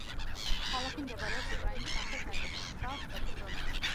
ქალაქი მდებარეობს უკრაინის სამხრეთ ნაწილში, მშრალ სტეპურ ზონაში.